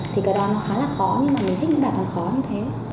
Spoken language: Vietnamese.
thì cái đó nó khá là khó nhưng mà mình thích những bản thân khó như thế